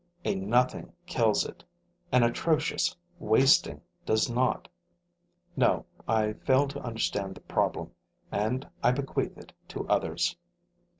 A nothing kills it; an atrocious wasting does not. No, I fail to understand the problem; and I bequeath it to others.